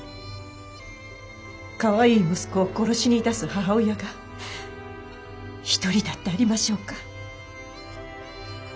かわいい息子を殺しに出す母親が一人だってありましょうか。